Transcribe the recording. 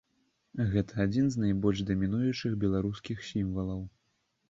Гэта адзін з найбольш дамінуючых беларускіх сімвалаў.